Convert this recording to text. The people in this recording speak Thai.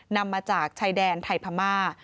นำมาจากชายแดนไทยพม่า